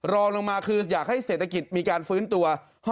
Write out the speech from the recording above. รองลงมาคืออยากให้เศรษฐกิจมีการฟื้นตัว